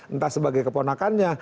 entah sebagai keponakannya